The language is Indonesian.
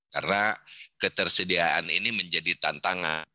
karena ketersediaan ini menjadi tantangan